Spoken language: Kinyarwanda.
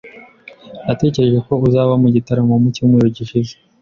Natekereje ko uzaba mu gitaramo mu cyumweru gishize.